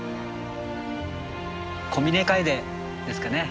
コミネカエデですかね。